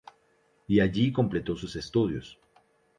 Y allí completó sus estudios.